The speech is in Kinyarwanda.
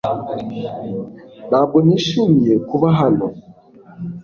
Ntabwo nishimiye kuba hano